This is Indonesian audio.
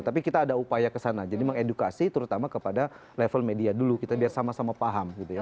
tapi kita ada upaya kesana jadi mengedukasi terutama kepada level media dulu kita biar sama sama paham gitu ya